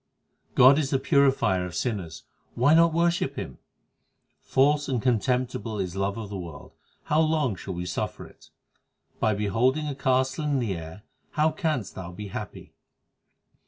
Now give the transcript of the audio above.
19 God is the Purifier of sinners ; why not worship Him ? False and contemptible is love of the world ; how long shall we suffer it ? By beholding a castle in the air how canst thou be happy